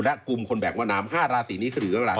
และกุมคนแบบวะน้ำ๕ราศีนี้ขึ้นออกมา